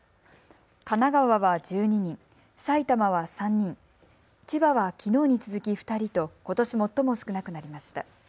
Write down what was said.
神奈川は１２人、埼玉は３人、千葉はきのうに続き２人とことし最も少なくなりました。